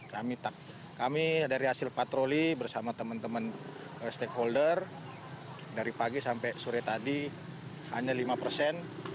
kami dari hasil patroli bersama teman teman stakeholder dari pagi sampai sore tadi hanya lima persen